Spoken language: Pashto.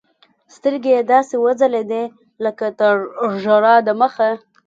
سترګې يې داسې وځلېدې لكه تر ژړا د مخه.